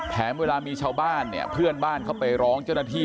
เวลามีชาวบ้านเนี่ยเพื่อนบ้านเขาไปร้องเจ้าหน้าที่